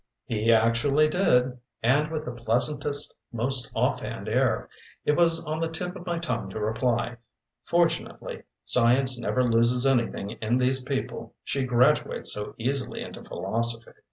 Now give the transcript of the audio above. "He actually did. And with the pleasantest, most off hand air. It was on the tip of my tongue to reply: 'Fortunately, science never loses anything in these people she graduates so easily into philosophy.'